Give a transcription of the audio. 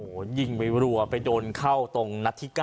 โอ้โหยิงไปรัวไปโดนเข้าตรงนัดที่๙